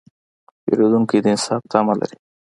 پیرودونکی د انصاف تمه لري.